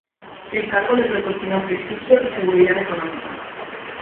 El cargo le proporcionó prestigio y seguridad económica.